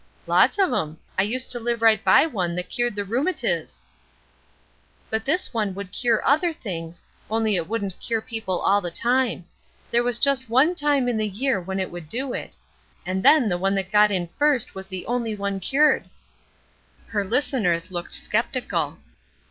"Lots of 'em. I used to live right by one that cured the rheumatiz." "But this one would cure other things, only it wouldn't cure people all the time. There was just one time in the year when it would do it; and then the one that got in first was the only one cured." Her listeners looked skeptical.